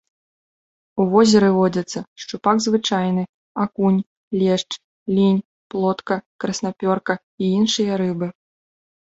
У возеры водзяцца шчупак звычайны, акунь, лешч, лінь, плотка, краснапёрка і іншыя рыбы.